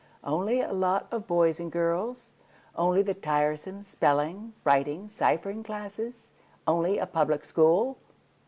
Only a lot of boys and girls? Only the tiresome spelling, writing, ciphering classes? Only a Public School?